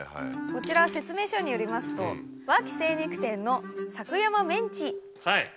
こちら説明書によりますと和気精肉店の。